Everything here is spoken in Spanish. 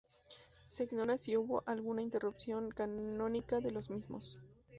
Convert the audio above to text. Se ignora si hubo alguna interrupción canónica de los mismos.